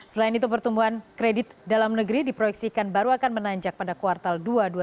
selain itu pertumbuhan kredit dalam negeri diproyeksikan baru akan menanjak pada kuartal dua dua ribu dua puluh